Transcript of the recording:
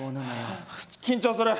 緊張する！